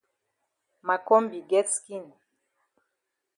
Ma kombi get skin.